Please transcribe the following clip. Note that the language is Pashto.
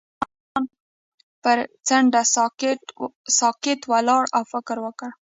هغه د خزان پر څنډه ساکت ولاړ او فکر وکړ.